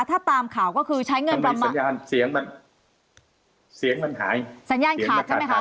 ถ้าตามข่าวก็คือใช้เงินมาทำไมสัญญาณเสียงมันเสียงมันหาย